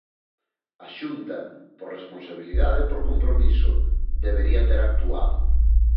A Xunta, por responsabilidade e por compromiso, debería ter actuado.